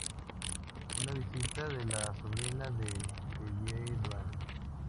Una visita de la sobrina de Talleyrand.